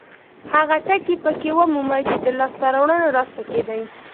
هغه ټکي پکې ومومئ چې د لاسته راوړنو راز پکې دی.